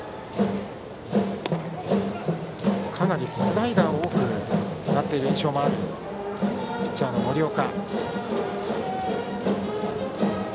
かなりスライダーが多くなっている印象もあるピッチャーの森岡。